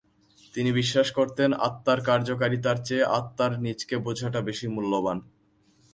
তিনি বিশ্বাস করতেন আত্মার কার্যকারিতার চেয়ে আত্মার নিজকে বোঝাটা বেশি মূল্যবান।